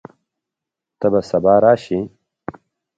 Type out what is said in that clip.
ته به سبا راشې؟